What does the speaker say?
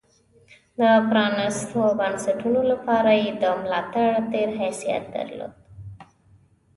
د پرانېستو بنسټونو لپاره یې د ملا تیر حیثیت درلود.